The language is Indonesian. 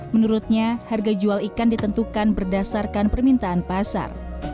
menurutnya harga jual ikan ditentukan berdasarkan permintaan pasar